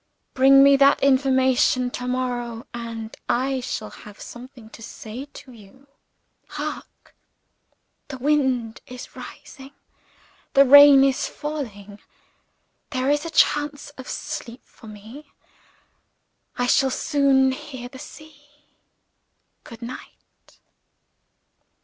Bring me that information to morrow, and I shall have something to say to you. Hark! The wind is rising, the rain is falling. There is a chance of sleep for me I shall soon hear the sea. Good night."